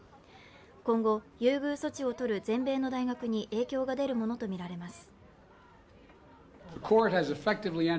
今後、優遇措置を取る全米の大学に影響が出るものとみられます。